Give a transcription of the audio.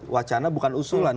wacana bukan usulan